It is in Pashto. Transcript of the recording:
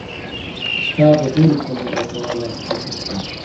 ستا د ډېرو خبرو له کبله کدو شوم.